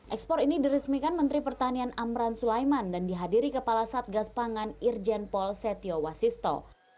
ekspor ini diresmikan menteri pertanian amran sulaiman dan dihadiri kepala satgas pangan irjen pol setio wasisto